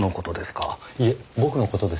いえ僕の事です。